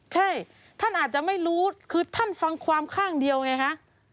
ใช่ท่านอาจจะไม่รู้คือท่านฟังความข้างเดียวไงฮะ